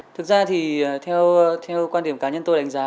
thực ra thì theo quan điểm cá nhân tôi đánh giá